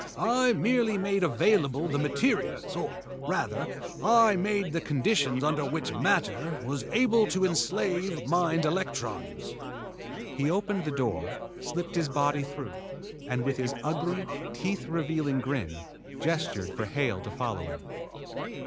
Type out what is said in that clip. I merely made available the materials, or, rather, I made the conditions under which matter was able to enslave mind electrons." He opened the door, slipped his body through, and, with his ugly, teeth revealing grin, gestured for Hale to follow him.